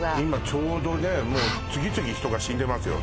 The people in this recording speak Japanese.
今ちょうどねもう次々人が死んでますよ